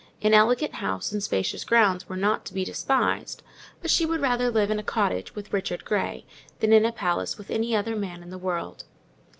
An elegant house and spacious grounds were not to be despised; but she would rather live in a cottage with Richard Grey than in a palace with any other man in the world.